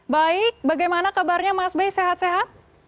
baik bagaimana kabarnya mas bey sehat sehat